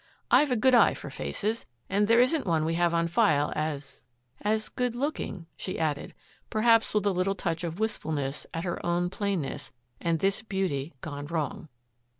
I've a good eye for faces, and there isn't one we have on file as as good looking," she added, perhaps with a little touch of wistfulness at her own plainness and this beauty gone wrong.